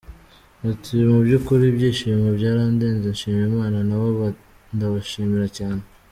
Ati "Mu by’ukuri ibyishimo byarandenze nshima Imana, na bo ndabashimira cyane.